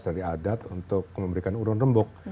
dari adat untuk memberikan urun rembuk